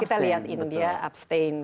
kita lihat india abstain